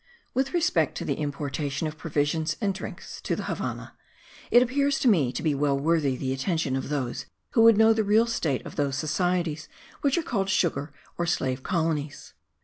With respect to the importation of provisions and drinks to the Havannah, it appears to me to be well worthy the attention of those who would know the real state of those societies which are called sugar or slave colonies.